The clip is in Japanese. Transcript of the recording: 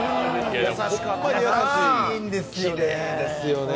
優しいんですよね。